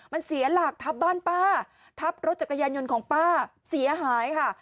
มันเสียหลักทับบ้านป้าทับรถจักรยานยนต์ของป้าเสียหายค่ะ